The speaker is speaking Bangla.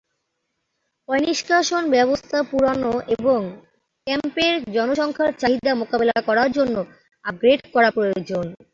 পয়ঃনিষ্কাশন ব্যবস্থা পুরানো এবং ক্যাম্পের জনসংখ্যার চাহিদা মোকাবেলা করার জন্য আপগ্রেড করা প্রয়োজন।